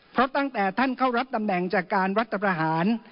เพราะตั้งแต่ท่านเข้ารับตำแหน่งจากการรัฐประหาร